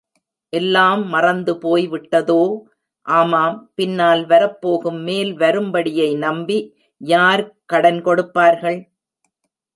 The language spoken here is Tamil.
எல்லாம் மறந்து போய் விட்டதோ? ஆமாம், பின்னால் வரப்போகும் மேல் வரும்படியை நம்பி யார் கடன் கொடுப்பார்கள்?